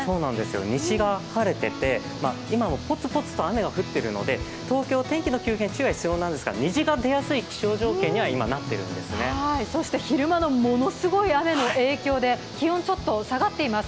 虹が、晴れていて、今もポツポツは雨は降っているので東京、天気の急変注意は必要なんですが、虹が出やすい気象条件には昼間のものすごい雨の影響で気温ちょっと下がっています。